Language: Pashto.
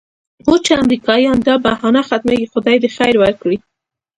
اوس چې امریکایان دا بهانه ختموي خدای دې خیر ورکړي.